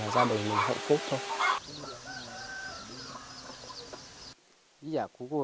và gia đình mình hạnh phúc thôi